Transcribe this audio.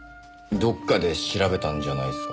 どっかで調べたんじゃないですか？